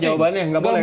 gak boleh jawabannya